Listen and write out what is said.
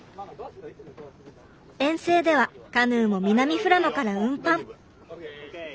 遠征ではカヌーも南富良野から運搬。